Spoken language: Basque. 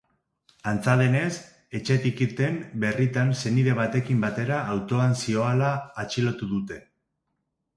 Antza denez, etxetik irten berritan senide batekin batera autoan zihoala atxilotu dute.